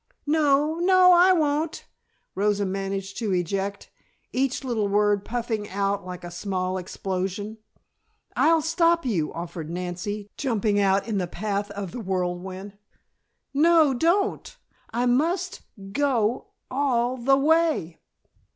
"No no I won't," Rosa managed to eject, each little word puffing out like a small explosion. "I'll stop you," offered Nancy, jumping out in the path of the whirlwind. "No, don't! I must go all the way!"